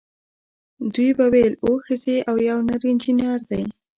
دوی به ویل اوه ښځې او یو نر انجینر دی.